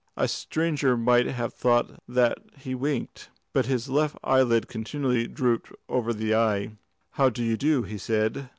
A stranger might have thought that he winked. But his left eyelid continually drooped over the eye. "How do you do?" he said.